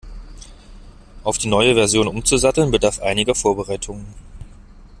Auf die neue Version umzusatteln, bedarf einiger Vorbereitung.